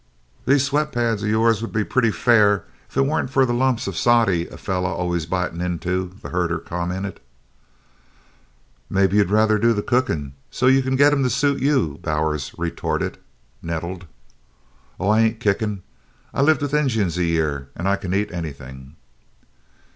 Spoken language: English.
"These sweat pads of yourn would be pretty fair if 'twant fur the lumps of sody a feller's allus bitin' into," the herder commented. "Maybe you'd ruther do the cookin' so you kin git 'em to suit you," Bowers retorted, nettled. "Oh, I ain't kickin' I lived with Injuns a year and I kin eat anything."